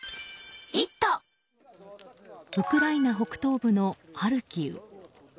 ウクライナ北東部のハルキウ。